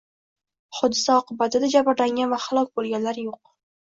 Hodisa oqibatida jabrlangan va halok bo‘lganlar yo‘q